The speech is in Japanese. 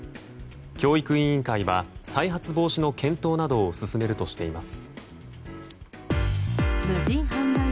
教育委員会は再発防止の検討などを進めるとしています。